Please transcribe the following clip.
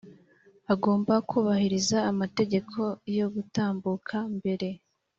agomba kubahiriza amategeko yo gutambuka mbere